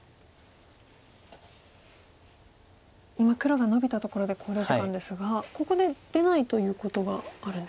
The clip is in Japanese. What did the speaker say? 今黒がノビたところで考慮時間ですがここで出ないということがあるんですか。